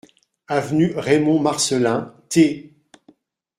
Avenue Raymond Marcellin, Theix